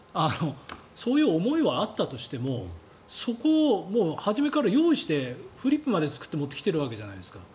そういう思いはあったとしてもそこを初めから用意してフリップまで作って持ってきているわけじゃないですか。